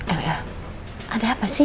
ada ya ada apa sih